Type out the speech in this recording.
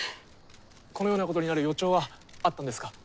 このようなことになる予兆はあったんですか？